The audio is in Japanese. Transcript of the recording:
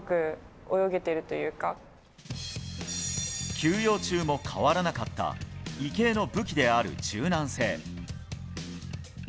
休養中も変わらなかった池江の武器である柔軟性。